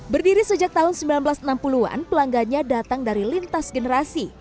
berdiri sejak tahun seribu sembilan ratus enam puluh an pelanggannya datang dari lintas generasi